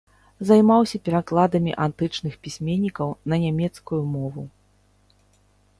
Займаўся перакладамі антычных пісьменнікаў на нямецкую мову.